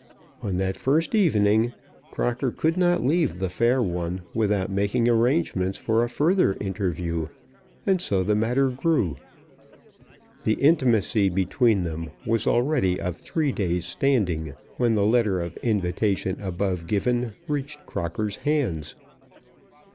On that first evening Crocker could not leave the fair one without making arrangements for a further interview, and so the matter grew. The intimacy between them was already of three days' standing when the letter of invitation above given reached Crocker's hands.